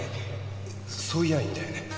そう言やいいんだよね？